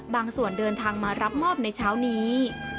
ส่วนเดินทางมารับมอบในเช้านี้